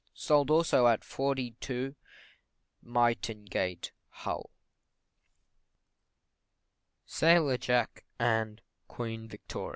Sold also at No. 42, Myton Gate, Hull. SAILOR JACK AND QUEEN VICTORIA.